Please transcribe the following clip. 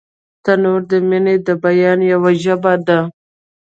تنور د مینې د بیان یوه ژبه ده